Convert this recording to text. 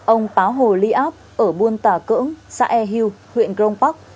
ông páo hồ ly áp ở buôn tà cưỡng xã e hưu huyện trong vác